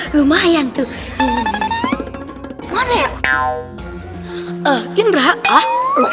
kok mukanya ketakutan kayak gitu